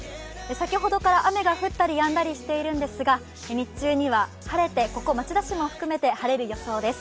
先ほどから雨がふったりやんだりしているのですが、日中には晴れて、ここ町田市も含めて晴れる予想です。